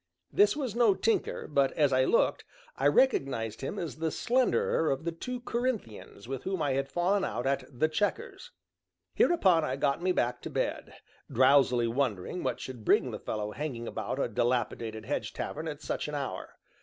This was no tinker, but as I looked, I recognized him as the slenderer of the two "Corinthians" with whom I had fallen out at "The Chequers." Hereupon I got me back to bed, drowsily wondering what should bring the fellow hanging about a dilapidated hedge tavern at such an hour.